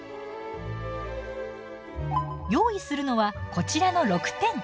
用意するのはこちらの６点。